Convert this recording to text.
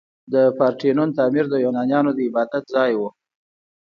د پارتینون تعمیر د یونانیانو د عبادت ځای و.